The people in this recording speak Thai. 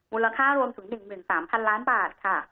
มูลค่ารวมถึง๑๓๐๐๐ล้านบาทค่ะ